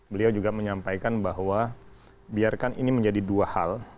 beliau juga menyampaikan bahwa biarkan ini menjadi dua hal